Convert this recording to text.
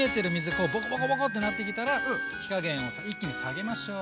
こうボコボコボコってなってきたら火加減を一気に下げましょう。